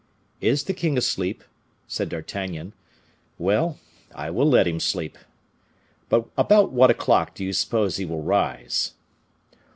"Is the king asleep?" said D'Artagnan. "Well, I will let him sleep. But about what o'clock do you suppose he will rise?"